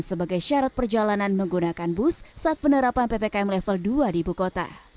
sebagai syarat perjalanan menggunakan bus saat penerapan ppkm level dua di ibu kota